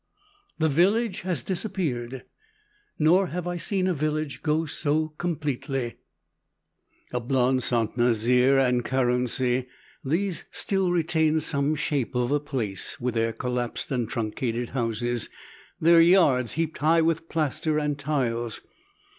The village has disappeared, nor have I seen a village go so completely. Ablain Saint Nazaire, and Carency, these still retained some shape of a place, with their collapsed and truncated houses, their yards heaped high with plaster and tiles.